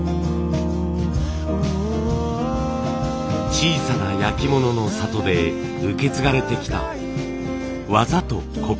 小さな焼き物の里で受け継がれてきた技と心。